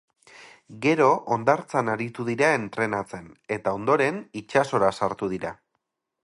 Gero hondartzan aritu dira entrenatzen, eta ondoren itsasora sartu dira.